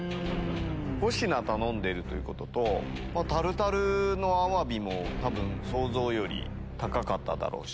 ５品頼んでるということとタルタルのアワビも多分想像より高かっただろうし。